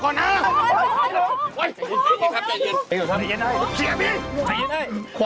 โอ้โฮ